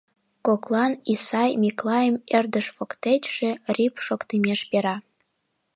Коклан Исай Миклайым ӧрдыж воктечше рӱп-п шоктымеш пера.